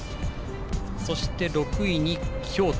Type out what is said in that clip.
そして６位に京都。